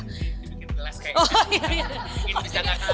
dibikin gelas kayaknya